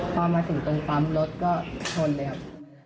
พอมาถึงตรงปั๊มรถก็ชนเลยครับ